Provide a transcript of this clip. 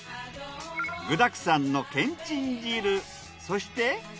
具だくさんのけんちん汁そして。